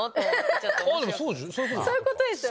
そういうことですよね。